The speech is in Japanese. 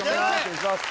お願いします。